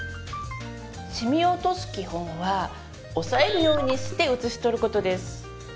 シミを落とす基本は押さえるようにして移しとることです